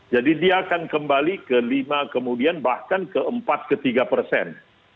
jadi dia akan kembali ke lima kemudian bahkan ke empat tiga persen